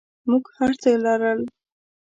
موږ هرڅه لرل.